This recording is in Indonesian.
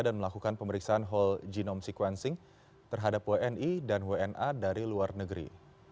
dan melakukan pemeriksaan whole genome sequencing terhadap wni dan wna dari luar negeri